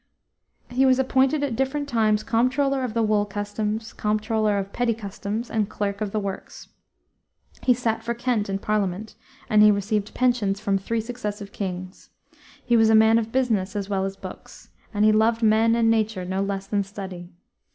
He was appointed at different times Comptroller of the Wool Customs, Comptroller of Petty Customs, and Clerk of the Works. He sat for Kent in Parliament, and he received pensions from three successive kings. He was a man of business as well as books, and he loved men and nature no less than study.